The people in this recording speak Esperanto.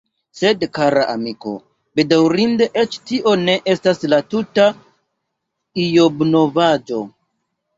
Sed, kara amiko, bedaŭrinde eĉ tio ne estas la tuta Ijobnovaĵo.